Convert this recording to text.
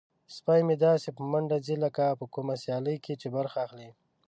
سپی مې داسې په منډه ځي لکه په کومه سیالۍ کې چې برخه اخلي.